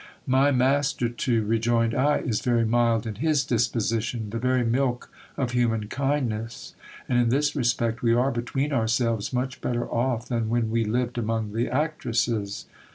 My master, too, rejoined I, is very mild in his disposition ; the very milk of human kindness ; and in this respect we are, between ourselves, much better off than when we lived among the actresses.